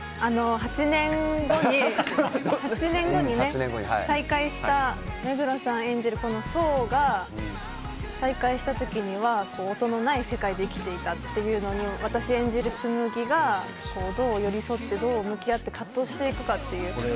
８年後にね再会した目黒さん演じる想が再会した時には音のない世界で生きていたというのに私演じる紬がどう寄り添ってどう向き合って葛藤していくか。